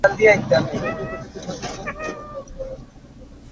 তিনি বোম্বেতে তিন মাসের জন্য কারাবরণ করেন।